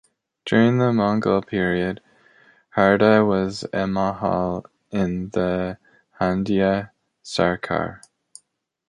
During the Mughal period, Harda was a mahal in the Handia sarkar.